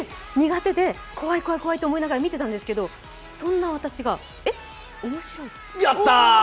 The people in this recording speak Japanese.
怖い怖い怖いと思いながら見てたんですけど、そんな私がやったー！